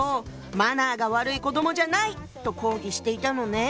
「マナーが悪い子どもじゃない！」と抗議していたのね。